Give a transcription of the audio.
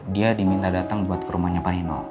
dia diminta datang buat ke rumahnya pak nino